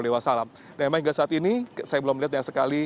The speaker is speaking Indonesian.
dan memang hingga saat ini saya belum melihat yang sekali